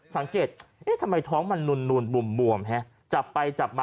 สังเกตทำไมท้องมันนุ่นบุ่มจับไปจับมา